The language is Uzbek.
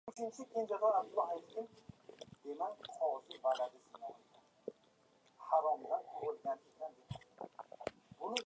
Otabek Umarov va Shahnoza Mirziyoyeva Dubaydagi ko‘rgazmada ishtirok etmoqda